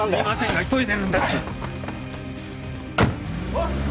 おい！